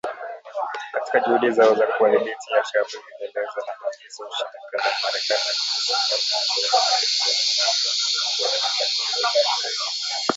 Katika juhudi zao za kuwadhibiti al-Shabaab ilielezewa na maafisa wa jeshi la Marekani na kijasusi kama mshirika tajiri zaidi na mwenye nguvu wa kundi la kigaidi la al-Qaida